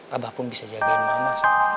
abah pun bisa jagain mama